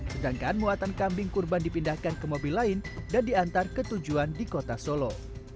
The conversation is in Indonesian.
sedangkan muatan kambing kurban dipindahkan ke mobil lain dan diantar ke tujuan di kota solo